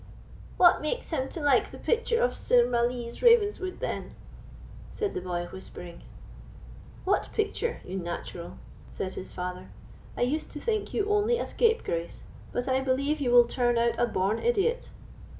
"What makes him to like the picture of Sir Malise Ravenswood then?" said the boy, whispering. "What picture, you natural?" said his father. "I used to think you only a scapegrace, but I believe you will turn out a born idiot."